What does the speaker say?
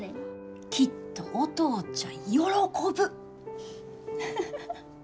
きっとお父ちゃん喜ぶ。